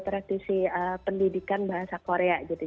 praktisi pendidikan bahasa korea gitu